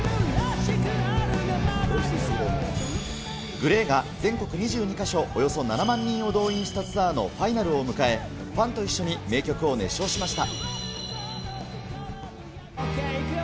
ＧＬＡＹが全国２２か所、およそ７万人を動員したツアーのファイナルを迎え、ファンと一緒に名曲を熱唱しました。